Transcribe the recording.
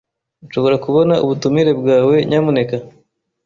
Nshobora kubona ubutumire bwawe nyamuneka?